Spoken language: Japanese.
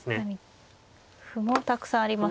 歩もたくさんありますし。